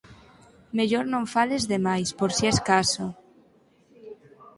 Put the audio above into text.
_Mellor non fales de máis, por si es caso.